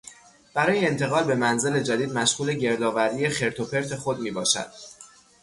برای انتقال به منزل جدید مشغول گردآوری خرت و پرت خود میباشد.